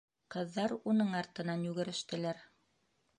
Ҡыҙҙар уның артынан йүгерештеләр.